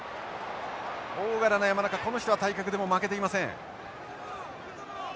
大柄な山中この人は体格でも負けていません。